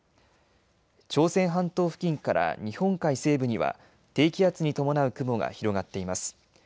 朝鮮半島付近から日本海西部には低気圧に伴う雲が広がっています。